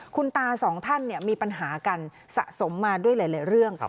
คุณตาสองท่านมีปัญหากันสะสมมาด้วยหลายเรื่อง